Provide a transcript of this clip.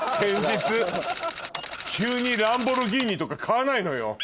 急にランボルギーニとか買わないのよ。